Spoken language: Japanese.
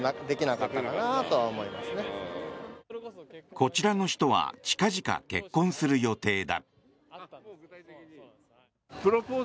こちらの人は近々結婚する予定だ。